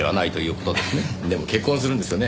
でも結婚するんですよね？